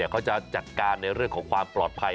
เขาจะจัดการในเรื่องของความปลอดภัย